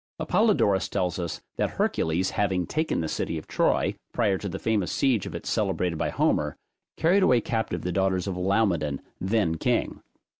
Apollodorus tells us, that Hercules having taken the city of Troy, prior to the famous siege of it celebrated by Homer, carried away captive the daughters of Laomedon then king.